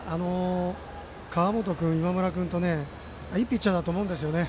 川本君、今村君といいピッチャーだと思うんですよね。